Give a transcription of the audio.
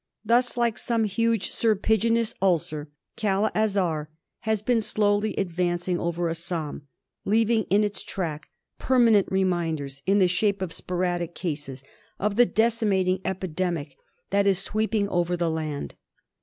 Thus, like some huge serpiginous ulcer, Kala Azar has been slowly advancing over Assam, leaving in its track permanent reminders, in the shape of sporadic cases, of the decimating epidemic that is sweeping over the land.